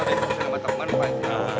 disini sama teman teman